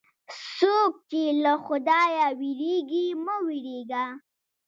څوک چې له خدایه وېرېږي، مه وېرېږه.